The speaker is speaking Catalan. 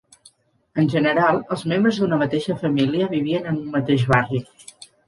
En general, els membres d'una mateixa família vivien en un mateix barri.